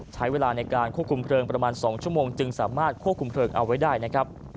ใช้เวลาในการควบคุมเพลิงประมาณ๒ชั่วโมงจึงสามารถควบคุมเพลิงเอาไว้ได้นะครับ